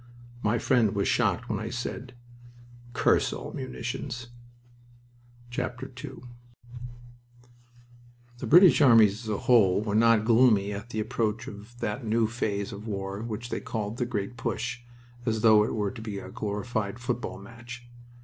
My friend was shocked when I said: "Curse all munitions!" II The British armies as a whole were not gloomy at the approach of that new phase of war which they called "The Great Push," as though it were to be a glorified football match.